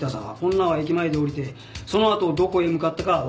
女は駅前で降りてそのあとどこへ向かったかはわからんらしい。